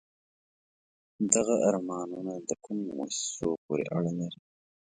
دغه آرمانون د کومو موسسو پورې اړه لري؟